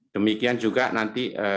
demikian juga nanti